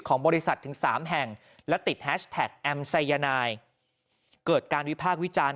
บริษัทถึงสามแห่งและติดแฮชแท็กแอมไซยานายเกิดการวิพากษ์วิจารณ์